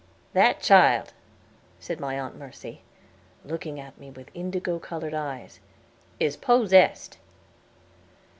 "That child," said my aunt Mercy, looking at me with indigo colored eyes, "is possessed."